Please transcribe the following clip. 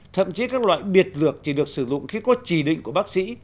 thậm chí các loại biệt dược lược chỉ được sử dụng khi có chỉ định của bác sĩ